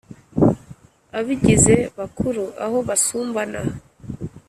abigize bakuru aho basumbana